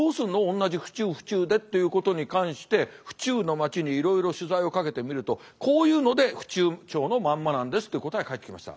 同じ府中府中でということに関して府中の町にいろいろ取材をかけてみるとこういうので府中町のまんまなんですという答えが返ってきました。